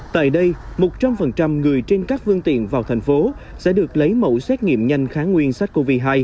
tại đây một trăm linh người trên các phương tiện vào thành phố sẽ được lấy mẫu xét nghiệm nhanh kháng nguyên sars cov hai